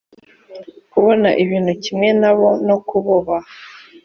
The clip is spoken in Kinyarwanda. kubona ibintu kimwe na bo no kububaha